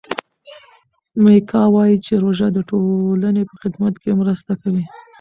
میکا وايي چې روژه د ټولنې په خدمت کې مرسته کوي.